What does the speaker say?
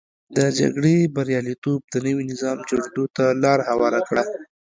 د جګړې بریالیتوب د نوي نظام جوړېدو ته لار هواره کړه.